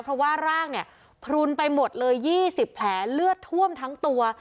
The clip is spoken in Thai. เพราะว่าร่างเนี่ยพลุนไปหมดเลย๒๐แผลเลือดท่วมทั้งตัว